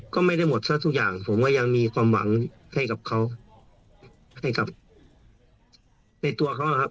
ก็ไม่ได้หมดซะทุกอย่างผมก็ยังมีความหวังให้กับเขาให้กับในตัวเขานะครับ